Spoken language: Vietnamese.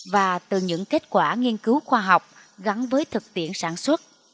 và từ những kết quả nghiên cứu khoa học gắn với thực tiễn sản xuất